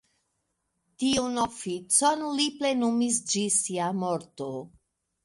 Tiun oficon li plenumis ĝis sia morto.